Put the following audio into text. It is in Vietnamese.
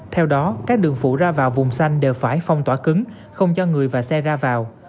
theo đó các đường phụ ra vào vùng xanh đều phải phong tỏa cứng không cho người và xe ra vào